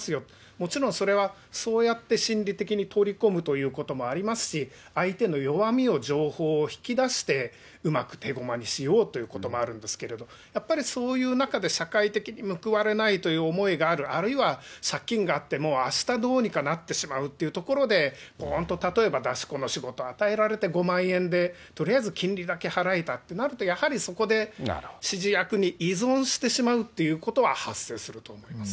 もちろんそれは、そうやって心理的に取り込むということもありますし、相手の弱みを、情報を引き出して、うまく手駒にしようということもあるんですけれども、やっぱりそういう中で社会的に報われないという思いがある、あるいは借金があって、もうあしたどうにかなってしまうというところで、ぽーんと例えば出し子の仕事を与えられて５万円で、とりあえず金利だけ払えたっていうことになると、やはりそこで指示役に依存してしまうということは発生すると思います。